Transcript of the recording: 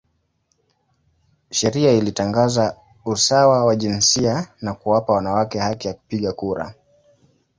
Sheria ilitangaza usawa wa jinsia na kuwapa wanawake haki ya kupiga kura.